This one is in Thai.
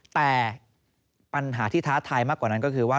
แต่ปัญหาที่ท้าทายมากกว่านั้นก็คือว่า